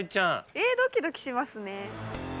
えぇドキドキしますね。